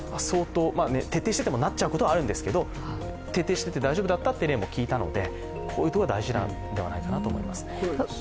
徹底しててもなってしまうこともあるんですが徹底してて大丈夫だったという例も聞いたので、こういうところが大事なんではないかなと思います。